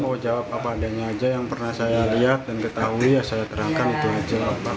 mau jawab apa adanya aja yang pernah saya lihat dan ketahui ya saya terangkan itu aja